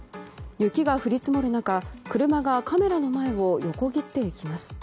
雪が降り積もる中車がカメラ前を横切っていきます。